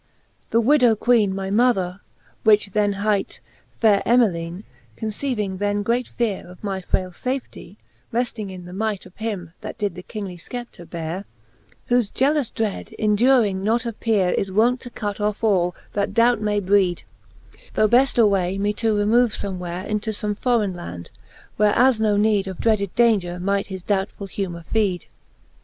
The widow Queene, my mother, which then hight Faire Emilme^ conceiving then great feare Of my fraile fafetie, refting in the might Of him, that did the kingly Scepter beare, Whole gealous dread induring not a peare, Is wont to cut off all, that doubt may breed, Thought beft away me to remove Ibme where Into fome forrein land, where as no need Of dreaded daunger might his doubtfull humor feed, XXX.